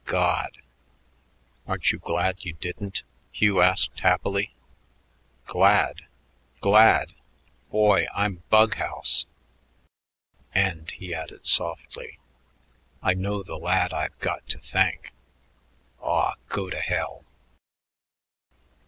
God!" "Aren't you glad you didn't?" Hugh asked happily. "Glad? Glad? Boy, I'm bug house. And," he added softly, "I know the lad I've got to thank." "Aw, go to hell."